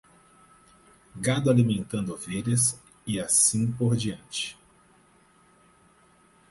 Gado alimentando ovelhas e assim por diante